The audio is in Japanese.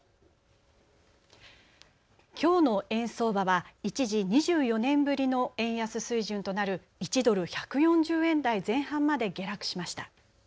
きょうの円相場は一時、２４年ぶりの円安水準となる１ドル１４０円台前半まで下落しました。